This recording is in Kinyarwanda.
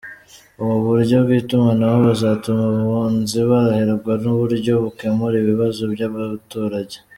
Ubu buryo bw’itumanaho buzatuma abunzi boroherwa n’uburyo bakemura ibibazo by’abaturage.